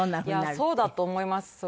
いやあそうだと思います。